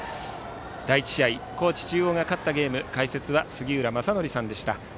第１試合高知中央が勝ったゲーム解説は杉浦正則さんでした。